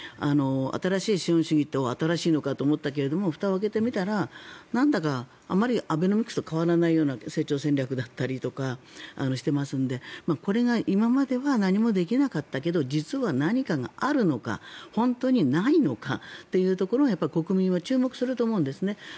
新しい資本主義とは新しいのかと思ってふたを開けてみたらなんだか、あまりアベノミクスと変わらないような成長戦略だったりとかしてますんでこれが今までは何もできなかったけど実は何かがあるのか本当にないのかというところに国民は注目すると思うんですね。